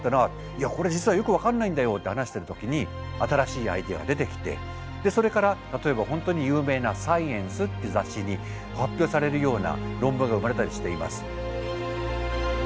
「いやこれ実はよく分かんないんだよ」って話してる時に新しいアイデアが出てきてそれから例えば本当に有名な「サイエンス」って雑誌に発表されるような論文が生まれたりしています。